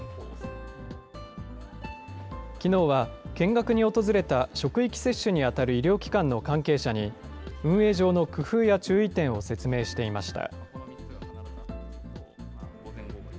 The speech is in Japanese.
きのうは見学に訪れた職域接種に当たる医療機関の関係者に、運営上の工夫や注意点を説明していました。